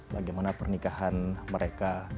bagaimana pernikahan mereka